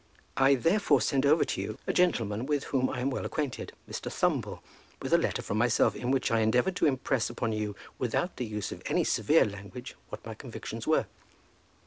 "I, therefore, sent over to you a gentleman with whom I am well acquainted, Mr. Thumble, with a letter from myself, in which I endeavoured to impress upon you, without the use of any severe language, what my convictions were."